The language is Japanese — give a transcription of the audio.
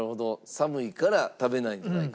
寒いから食べないんじゃないか。